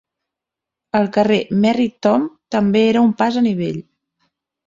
El carrer Merry Tom també era un pas a nivell.